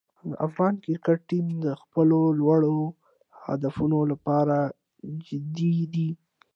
د افغان کرکټ ټیم د خپلو لوړو هدفونو لپاره جدي دی.